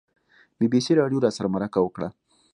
بي بي سي راډیو راسره مرکه وکړه.